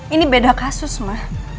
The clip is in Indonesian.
ini beda kasus ma